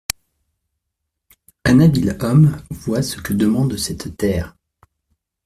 Un habile homme voit ce que demande cette terre.